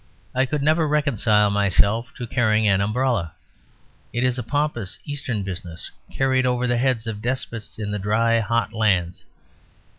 I could never reconcile myself to carrying an umbrella; it is a pompous Eastern business, carried over the heads of despots in the dry, hot lands.